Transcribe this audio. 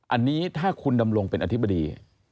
อันนี้ถ้าคุณดำรงเป็นอธิบดี